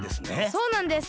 そうなんです。